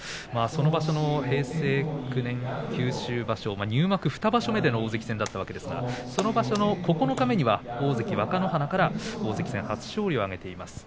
その場所は平成９年九州場所、新入幕２場所目での大関戦だったんですがその場所の九日目には大関若乃花から大関戦初勝利を挙げています。